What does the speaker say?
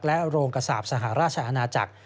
และโรงกระสาปสหราชอาณาจักร